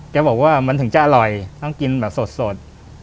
แกบอกว่ามันถึงจะอร่อยทั้งกินแบบสด